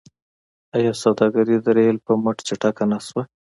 آیا سوداګري د ریل په مټ چټکه نشوه؟